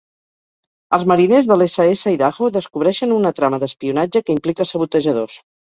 Els mariners de l'S. S. Idaho descobreixen una trama d'espionatge que implica sabotejadors.